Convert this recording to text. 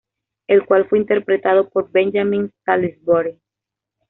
El cual fue interpretado por Benjamin Salisbury.